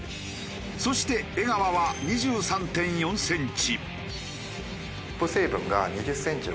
そして江川は２３．４センチ。